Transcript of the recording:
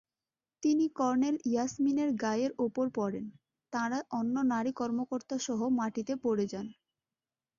তিনি কর্নেল ইয়াসমিনের গায়ের ওপর পড়েন, তাঁরা অন্য নারী-কর্মকর্তাসহ মাটিতে পড়ে যান।